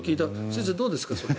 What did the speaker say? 先生、どうですか？